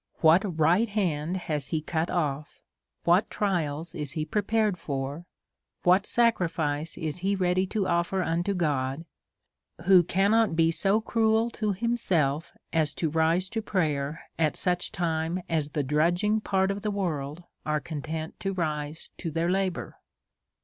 what right hand has he cut off? what trials is he prepared for? what sacrifice is he ready to offer unto God ? who cannot be so cruel to himself as to rise to prayer at such a time as the drudging part of the world are content to rise to their labour.